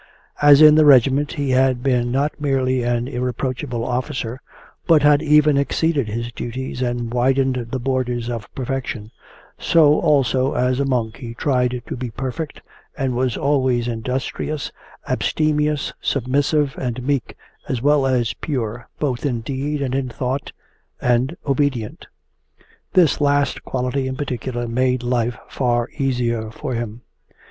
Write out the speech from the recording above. As in the regiment he had been not merely an irreproachable officer but had even exceeded his duties and widened the borders of perfection, so also as a monk he tried to be perfect, and was always industrious, abstemious, submissive, and meek, as well as pure both in deed and in thought, and obedient. This last quality in particular made life far easier for him.